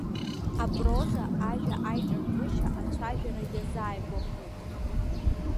Апроза ажәа аиҿартәышьа ацәажәара иазааигәахоит.